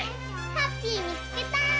ハッピーみつけた！